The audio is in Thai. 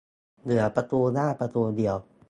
เหลือประตูหน้าประตูเดียว